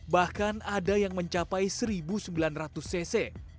bahkan ada yang mencapai satu sembilan ratus cc